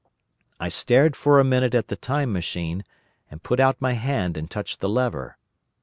I stared for a minute at the Time Machine and put out my hand and touched the lever.